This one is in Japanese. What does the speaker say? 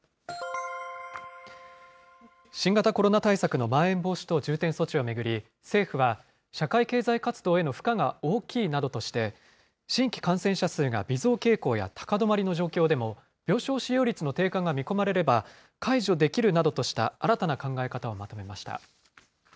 新型コロナ対策のまん延防止等重点措置を巡り、政府は社会経済活動への負荷が大きいなどとして、新規感染者数が微増傾向や高止まりの状況でも、病床使用率の低下が見込まれれば、解除できるなどとした新たな考え方をまとめました。